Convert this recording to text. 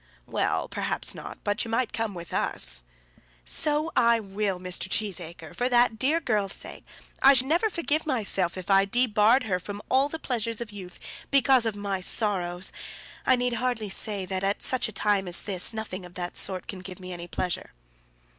"Well, perhaps not. But you might come with us." "So I will, Mr. Cheesacre, for that dear girl's sake. I should never forgive myself if I debarred her from all the pleasures of youth, because of my sorrows. I need hardly say that at such a time as this nothing of that sort can give me any pleasure."